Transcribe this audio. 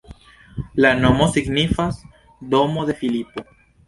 La nomo signifas domo de Filipo.